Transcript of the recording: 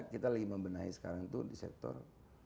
kita lagi membenahi sekarang itu di sektor